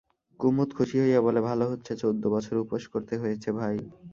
কুমুদ খুশি হইয়া বলে, ভালো হচ্ছেঃ চৌদ্দ বছর উপোস করতে হয়েছে ভাই।